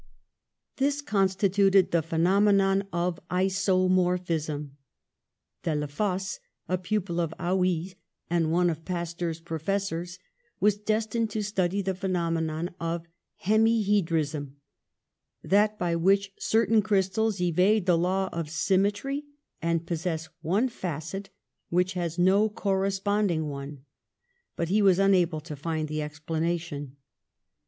This constituted the phe nomenon of isomorphism. Delafosse, a pupil of Haiiy's, and one of Pasteur's professors, was destined to study the phenomenon of hemi hedrism, that by which certain crystals evade the law of symmetry and possess one facet which has no corresponding one, but he was unable to find the explanation.